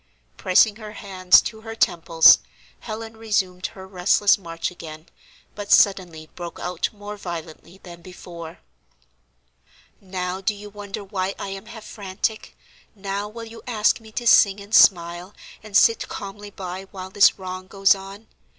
Pressing her hands to her temples, Helen resumed her restless march again, but suddenly broke out more violently than before: "Now do you wonder why I am half frantic? Now will you ask me to sing and smile, and sit calmly by while this wrong goes on?